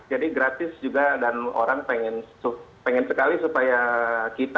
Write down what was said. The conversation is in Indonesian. jadi gratis juga dan orang pengen sekali supaya kita ya